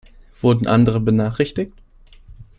Wurden andere benachrichtigt?